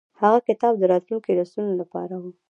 هغه کتاب د راتلونکو نسلونو لپاره و.